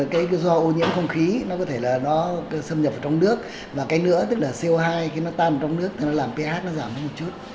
cái do ô nhiễm không khí nó có thể là nó xâm nhập vào trong nước và cái nữa tức là co hai khi nó tan vào trong nước thì nó làm ph nó giảm một chút